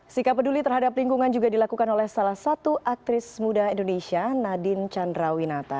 sikap peduli terhadap lingkungan juga dilakukan oleh salah satu aktris muda indonesia nadine chandrawinata